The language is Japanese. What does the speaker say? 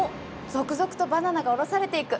続々とバナナが降ろされていく！